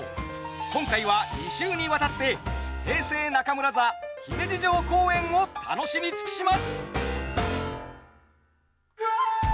今回は２週にわたって平成中村座姫路城公演を楽しみ尽くします。